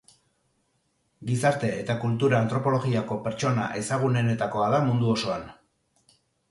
Gizarte- eta kultura-antropologiako pertsona ezagunenetakoa da mundu osoan.